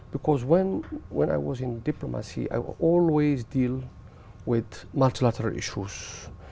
bởi vì khi tôi đang ở trong dịch vụ tôi luôn đối xử với vấn đề đặc biệt